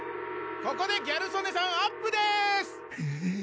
ここでギャル曽根さんアップですえっ？